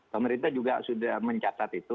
pemerintah juga sudah mencatat itu